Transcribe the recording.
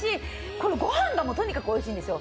このご飯がとにかくおいしいんですよ。